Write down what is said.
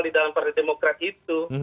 di dalam partai demokrat itu